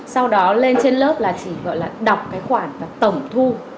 sau đó lên trên lớp là chỉ gọi là đọc cái khoản và tổng thu